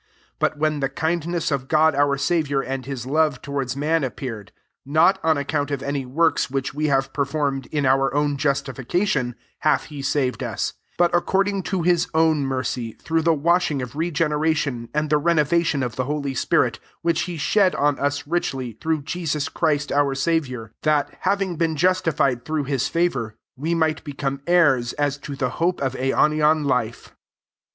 4 But wheii the kindness of God our Saviour and Ma love towards man appeared; 5 not on account of any works which we have performed, in our own justification,* hath he saved us,t but according to his own mercy, through the washing of regene ration, and the renovation of the holy spirit ; 6 which he shed on us richly, through Jesus Christ our Saviour ; 7 that, having been justified through his favour, we might become heirs as to the }^ope of aionian life.